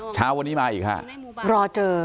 เช้าวันนี้มาอีกค่ะรอเจอ